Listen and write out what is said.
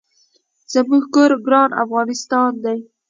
زمونږ کور ګران افغانستان دي